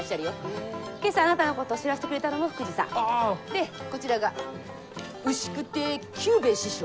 でこちらが牛久亭九兵衛師匠。